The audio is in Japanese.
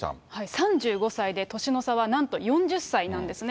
３５歳で年の差はなんと４０歳なんですね。